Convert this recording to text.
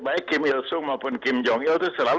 baik kim yul su maupun kim jong il itu selalu